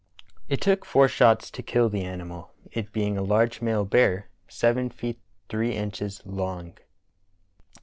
It took four shots to kill the animal, it being a large male bear seven feet three inches long.